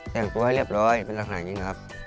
แต่งตัวให้เรียบร้อยเป็นลักษณะอย่างนี้นะครับ